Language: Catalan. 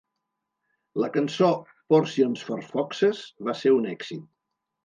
La cançó "Portions for Foxes" va ser un èxit.